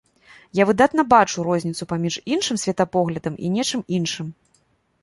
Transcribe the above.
Я выдатна бачу розніцу паміж іншым светапоглядам і нечым іншым.